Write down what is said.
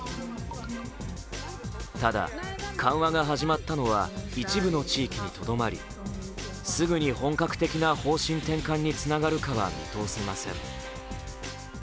ただ、緩和が始まったのは一部の地域にとどまりすぐに本格的な方針転換につながるかは見通せません。